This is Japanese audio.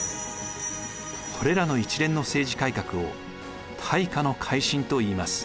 これらの一連の政治改革を大化の改新といいます。